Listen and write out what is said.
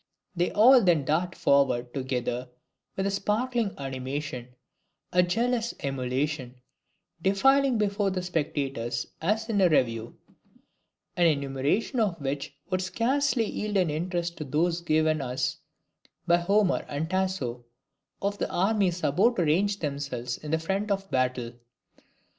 They all then dart forward together with a sparkling animation, a jealous emulation, defiling before the spectators as in a review an enumeration of which would scarcely yield in interest to those given us, by Homer and Tasso, of the armies about to range themselves in the front of battle!